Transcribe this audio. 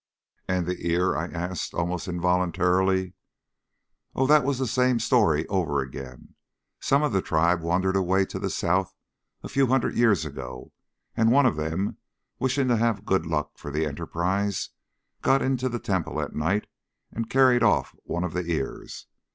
"And the ear?" I asked, almost involuntarily. "Oh, that was the same story over again. Some of the tribe wandered away to the south a few hundred years ago, and one of them, wishing to have good luck for the enterprise, got into the temple at night and carried off one of the ears.